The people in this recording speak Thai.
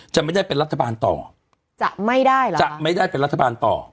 จะไม่ได้เป็นรัฐบาลต่อจะไม่ได้แล้วจะไม่ได้เป็นรัฐบาลต่อ